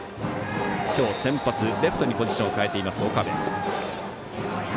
今日先発、レフトにポジションを変えている、岡部。